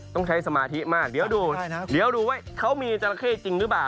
ต้องใช้สมาธิมากเดี๋ยวดูว่าเขามีจราเคจริงหรือเปล่า